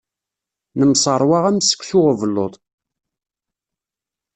Nemseṛwa am seksu ubelluḍ.